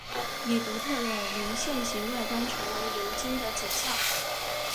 以独特的流线型外观成为流经的景象。